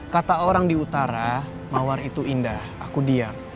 kata orang di utara mawar itu indah aku diam